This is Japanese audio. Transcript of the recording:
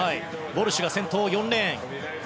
ウォルシュが先頭４レーン。